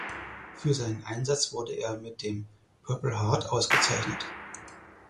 Für seinen Einsatz wurde er mit dem Purple Heart ausgezeichnet.